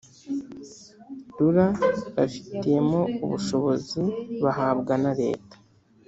rura babifitiyemo ubushobozi bahabwa na leta